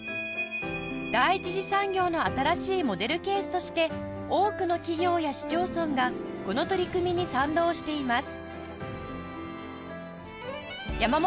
第一次産業の新しいモデルケースとして多くの企業や市町村がこの取り組みに賛同しています